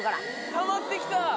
たまってきた！